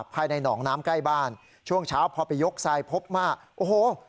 ภายในหนองน้ำใกล้บ้านช่วงเช้าพอไปยกทรายพบว่าโอ้โห